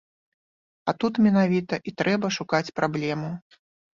А тут менавіта і трэба шукаць праблему.